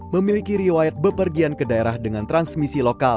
memiliki riwayat bepergian ke daerah dengan transmisi lokal